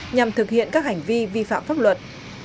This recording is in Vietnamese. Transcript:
nhằm thực hiện các hành vi vi phạm pháp luật